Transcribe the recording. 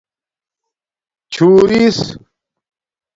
چُھݸرس